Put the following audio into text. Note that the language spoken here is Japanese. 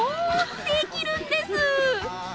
できるんです！